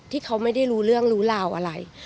ที่เขาไม่ได้รู้เรื่องรู้ราวอะไร